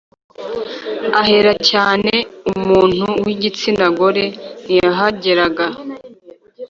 ahera cyane l Umuntu w igitsina gore ntiyahageraga